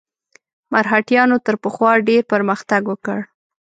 مرهټیانو تر پخوا ډېر پرمختګ وکړ.